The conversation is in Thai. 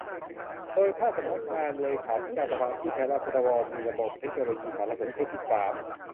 โดยถ้าสำนักงานเลขาธิการสภาผู้แทนราษฎรมีระบบเทคโนโลยีสารสนเทศที่สาม